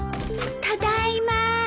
ただいま。